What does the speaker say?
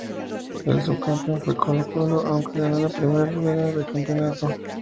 El subcampeón fue Colo-Colo, aunque ganó la primera rueda del campeonato.